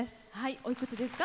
おいくつですか？